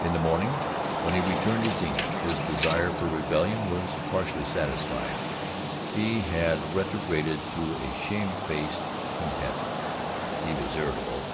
In the morning, when he returned to Zenith, his desire for rebellion was partly satisfied. He had retrograded to a shame faced contentment. He was irritable.